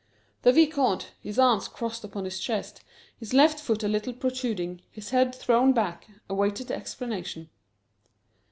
The Vicomte, his arms crossed upon his chest, his left foot a little protruding, his head thrown back, awaited the explanation.